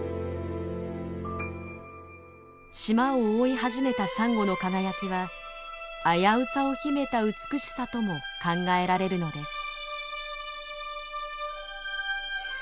島を覆い始めたサンゴの輝きは危うさを秘めた美しさとも考えられるのです。